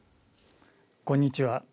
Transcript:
こんにちは。